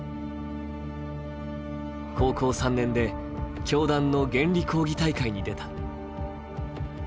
高校３年で教団の原理講義大会に出た。